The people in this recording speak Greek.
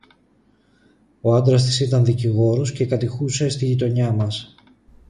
Ο άντρας της ήταν δικηγόρος και κατοικούσε στη γειτονιά μας